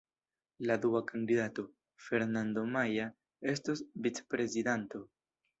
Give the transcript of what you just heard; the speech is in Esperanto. La dua kandidato, Fernando Maia, estos vicprezidanto.